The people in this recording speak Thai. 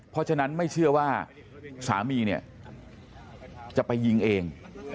เพราะฉะนั้นไม่เชื่อว่าสามีเนี่ยจะไปยิงเอง